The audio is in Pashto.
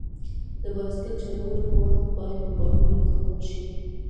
د بایسکل چلولو په وخت باید موبایل ونه کارول شي.